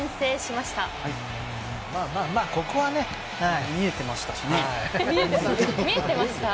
まあまあここは見えてましたね。